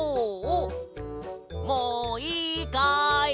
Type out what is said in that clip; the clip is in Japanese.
もういいかい？